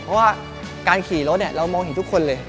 เพราะว่าการขี่รถเรามองเห็นทุกคนเลย